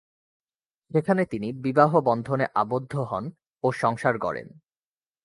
সেখানে তিনি বিবাহবন্ধনে আবদ্ধ হন ও সংসার গড়েন।